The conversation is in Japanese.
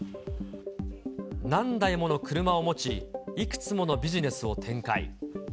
何台もの車を持ち、いくつものビジネスを展開。